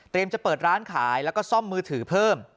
จะเปิดร้านขายแล้วก็ซ่อมมือถือเพิ่ม